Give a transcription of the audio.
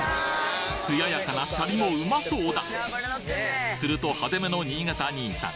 艶やかなシャリもウマそうだすると派手めの新潟兄さん